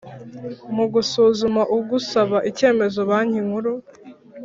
Mu gusuzuma ugusaba icyemezo Banki Nkuru